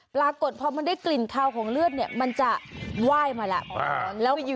ปรากฏพอมันได้กลิ่นคาวของเลือดเนี่ยมันจะไหว้มาแล้ว